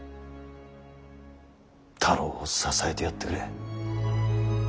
太郎を支えてやってくれ。